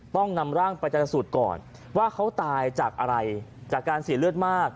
ต้องนำร่างไปจนสูตรก่อนว่าเขาตายจากอะไรจากการเสียเลือดมาก